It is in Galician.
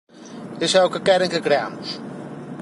Iso é o que queren que creamos